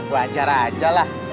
wajar aja lah